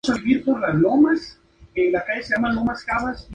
Aquí habrá varios empleados que complementan el inusual y divertido hostel.